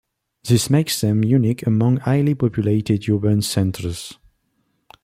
This makes them unique among highly populated urban centres.